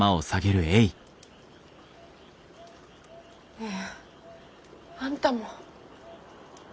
ねえあんたも。